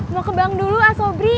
mau ke bank dulu asobri